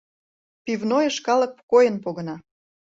Пивнойыш калык койын погына.